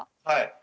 はい。